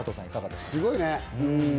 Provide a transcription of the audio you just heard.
すごいね。